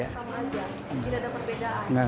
gak ada perbedaan